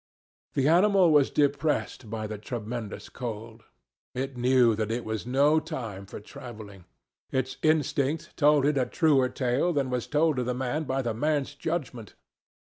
The animal was depressed by the tremendous cold. It knew that it was no time for travelling. Its instinct told it a truer tale than was told to the man by the man's judgment.